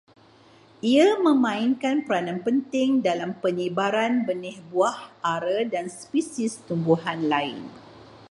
Ia memainkan peranan penting dalam penyebaran benih buah ara dan spesies tumbuhan lain